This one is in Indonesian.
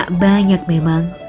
tak banyak memang